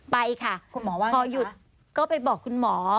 ไปค่ะพอหยุดก็ไปบอกคุณหมอ